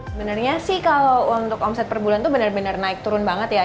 sebenarnya sih kalau untuk omset per bulan tuh benar benar naik turun banget ya